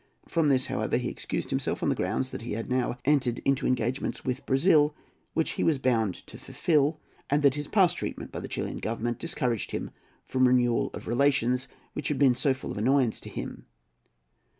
From this, however, he excused himself, on the grounds that he had now entered into engagements with Brazil which he was bound to fulfil, and that his past treatment by the Chilian Government discouraged him from renewal of relations which had been so full of annoyance to him.